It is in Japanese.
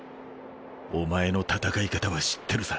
お前の戦い方は知ってるさ。